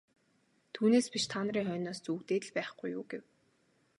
Түүнээс биш та нарын хойноос зүүгдээд л байхгүй юу гэв.